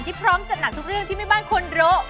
พร้อมจัดหนักทุกเรื่องที่แม่บ้านควรรู้